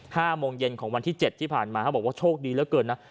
ห้าโมงเย็นของวันที่เจ็ดที่ผ่านมาเขาบอกว่าโชคดีเหลือเกินนะ